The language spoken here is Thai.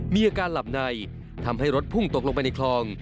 มีอาการหลับในทำให้รถพุ่งตกลงไปในคลอง